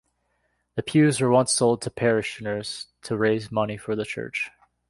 The pews were once sold to parishioners to raise money for the church.